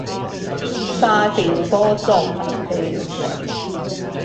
三重綜合體育館